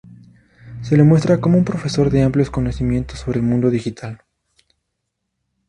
Se le muestra como un profesor de amplios conocimientos sobre el Mundo Digital.